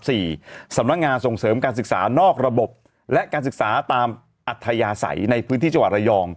สำนักงานส่งเสริมการศึกษานอกระบบและการศึกษาตามอัธยาศัยในพื้นที่จังหวัดระยอง